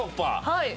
はい。